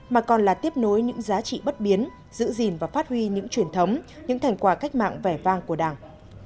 mà còn là tiếp nối những giá trị bất biến giữ gìn và phát huy những truyền thống những thành quả cách mạng vẻ vang của đảng